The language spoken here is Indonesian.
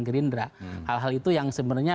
gerindra hal hal itu yang sebenarnya